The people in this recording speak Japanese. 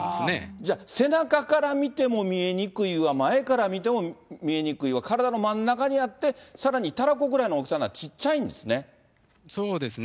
じゃあ、背中から見ても見えにくいわ、前から見ても見えにくわ、体の真ん中にあって、さらにたらこくらいの大きさであって、小っちゃいんですね。